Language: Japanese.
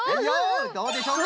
どうでしょうか？